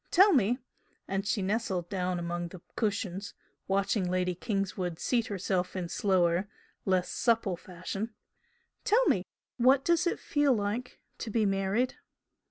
Tell me" and she nestled down among the cushions, watching Lady Kingswood seat herself in slower, less supple fashion "tell me what does it feel like to be married?"